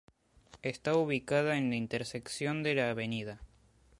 Está ubicada en la intersección de la Av.